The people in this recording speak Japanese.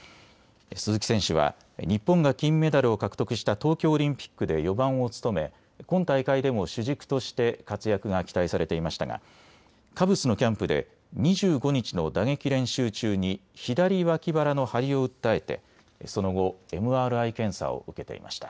鈴木選手は日本が金メダルを獲得した東京オリンピックで４番を務め今大会でも主軸として活躍が期待されていましたがカブスのキャンプで２５日の打撃練習中に左脇腹の張りを訴えてその後ＭＲＩ検査を受けていました。